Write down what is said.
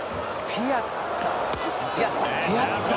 ピアッツァ！」